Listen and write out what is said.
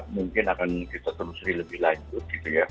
mungkin akan kita terus lebih lanjut